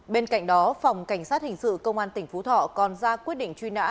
bên cạnh đó phòng cảnh sát hình sự công an tỉnh phú thọ còn ra quyết định truy nã